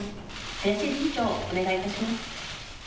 林理事長、お願いいたします。